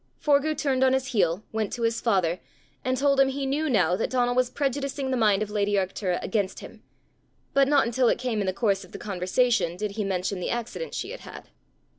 Forgue turned on his heel, went to his father, and told him he knew now that Donal was prejudicing the mind of lady Arctura against him; but not until it came in the course of the conversation, did he mention the accident she had had.